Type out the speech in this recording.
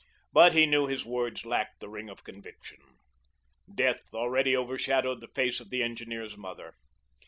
But he knew his words lacked the ring of conviction. Death already overshadowed the face of the engineer's mother.